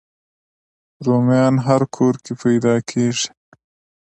رومیان هر کور کې پیدا کېږي